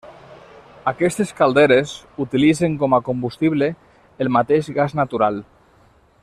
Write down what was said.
Aquestes calderes utilitzen com a combustible el mateix gas natural.